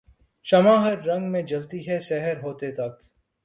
شمع ہر رنگ میں جلتی ہے سحر ہوتے تک